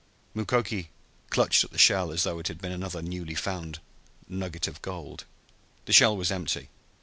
Mukoki clutched at the shell as though it had been another newly found nugget of gold. The shell was empty.